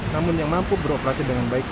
namun yang mampu beroperasi dengan baik